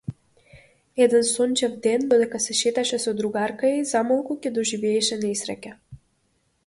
Еден сончев ден, додека се шеташе со другарка ѝ, за малку ќе доживееше несреќа.